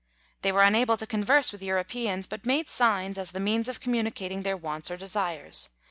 They were unable to converse with Europeans, but made signs as the means of communicating their wants or desires.